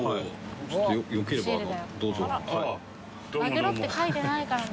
「マグロ」って書いてないからな。